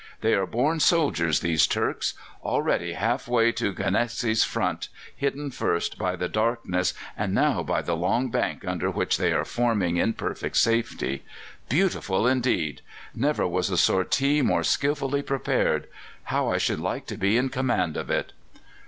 "They are born soldiers, those Turks already half way to Ganetzky's front, hidden first by the darkness and now by the long bank under which they are forming in perfect safety. Beautiful indeed! Never was a sortie more skilfully prepared. How I should like to be in command of it!"